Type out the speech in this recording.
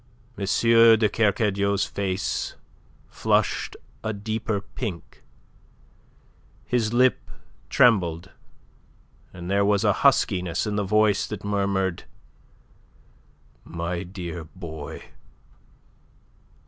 M. de Kercadiou's face flushed a deeper pink, his lip trembled, and there was a huskiness in the voice that murmured "My dear boy!"